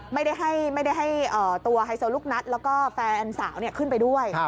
ไม่ได้ให้ตัวไฮโซลูกนัดแล้วก็แฟนสาวขึ้นไปด้วย